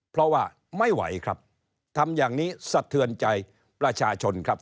เพราะว่าไม่ไหวครับทำอย่างนี้สะเทือนใจประชาชนครับ